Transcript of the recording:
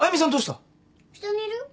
下にいるよ。